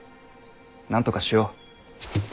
なんとかしよう。